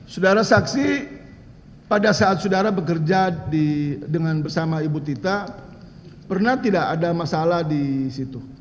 saudara saksi pada saat saudara bekerja bersama ibu tita pernah tidak ada masalah di situ